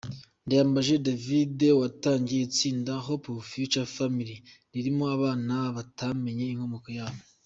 Ndayambaje David watangije itsinda ‘Hope of Future Family’ ririmo abana batamenye inkomoko yabo.